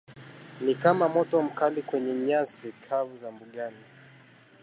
ni kama moto mkali kwenye nyasi kavu za mbugani